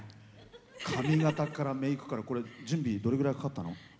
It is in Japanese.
髪形からメークからこれ準備どれくらいかかったの？